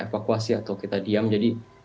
evakuasi atau kita diam jadi